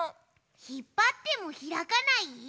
ひっぱってもひらかない？